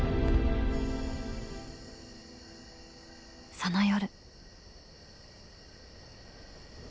その夜。